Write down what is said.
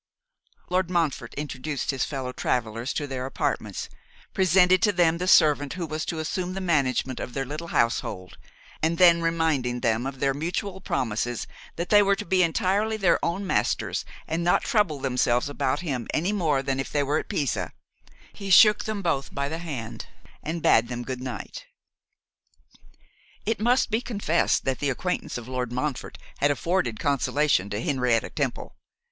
Lord Montfort introduced his fellow travellers to their apartments, presented to them the servant who was to assume the management of their little household, and then reminding them of their mutual promises that they were to be entirely their own masters, and not trouble themselves about him any more than if they were at Pisa, he shook them both by the hand, and bade them good night. It must be confessed that the acquaintance of Lord Montfort had afforded consolation to Henrietta Temple.